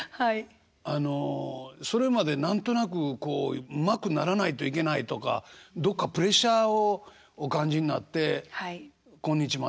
あのそれまで何となくこううまくならないといけないとかどっかプレッシャーをお感じになって今日まで来られてると思うんですね。